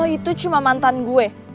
itu cuma mantan gue